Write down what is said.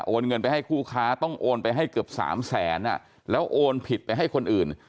เงินไปให้คู่ค้าต้องโอนไปให้เกือบ๓แสนแล้วโอนผิดไปให้คนอื่น